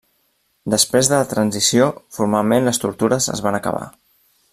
Després de la transició, formalment les tortures es van acabar.